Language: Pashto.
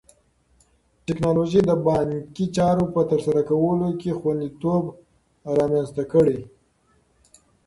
ټیکنالوژي د بانکي چارو په ترسره کولو کې خوندیتوب رامنځته کړی.